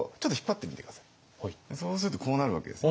そうするとこうなるわけです。